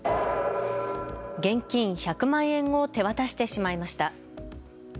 現金１００万円を手渡してしまいました。